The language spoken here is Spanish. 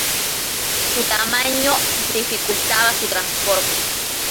Su tamaño dificultaba su transporte.